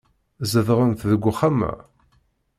Zedɣent deg uxxam-a.